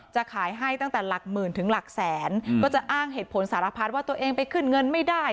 จะขายให้ตั้งแต่หลักหมื่นถึงหลักแสนก็จะอ้างเหตุผลสารพัดว่าตัวเองไปขึ้นเงินไม่ได้